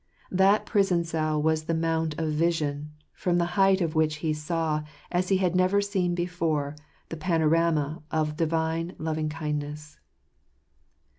That pr ison c ell was the mount of . vision, f rom the height of which he saw, as he had never seen before, the panorama of Divine loving kindness.